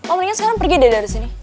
oh mendingan sekarang pergi deh dari sini